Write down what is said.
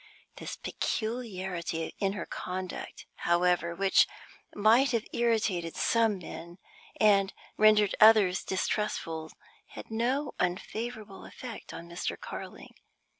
This peculiarity in her conduct, however, which might have irritated some men, and rendered others distrustful, had no unfavorable effect on Mr. Carling.